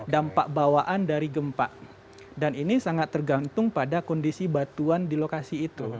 dampak bawaan dari gempa dan ini sangat tergantung pada kondisi batuan di lokasi itu